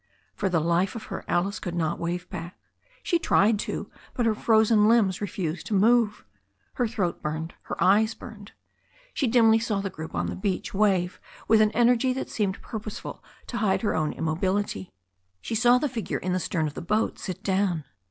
For the life of her Alice could not wave back. She tried to, but her frozen limbs refused to move. Her throat burned. Her eyes burned. She dimly saw the group on the beach wave with an energy that seemed purposeful to hide her own immobility. She saw the figure in the stern of the boat sit down.